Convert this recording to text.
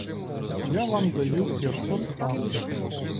Я вам даю п'ятсот франків.